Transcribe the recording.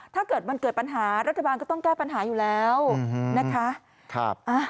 ถ้าเกิดมันเกิดปัญหารัฐบาลก็ต้องแก้ปัญหาอยู่แล้วนะคะ